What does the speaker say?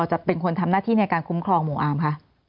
จะเป็นคนทำหน้าที่ในการคุ้มครองหมู่อาร์มคะ